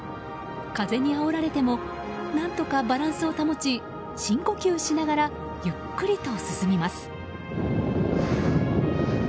風にあおられても何とかバランスを保ち深呼吸しながらゆっくりと進みます。